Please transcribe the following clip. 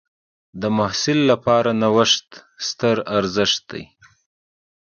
د محصل لپاره نوښت ستر ارزښت لري.